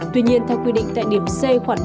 tuy nhiên theo quy định tại điểm c khoản một